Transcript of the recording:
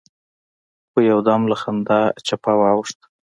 خو يودم له خندا چپه واوښت.